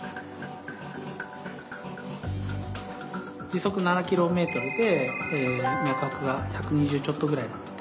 時速７ｋｍで脈拍が１２０ちょっとぐらい。